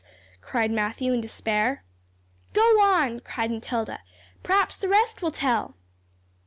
cried Matthew, in despair. "Go on," cried Matilda; "p'raps the rest will tell."